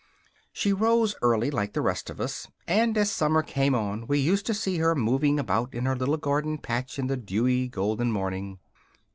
She rose early, like the rest of us; and as summer came on we used to see her moving about in her little garden patch in the dewy, golden morning.